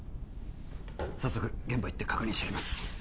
早速現場行って確認してきます